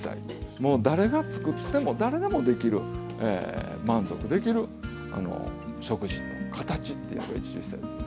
もう誰が作っても誰でもできる満足できる食事のかたちっていうのが一汁一菜ですね。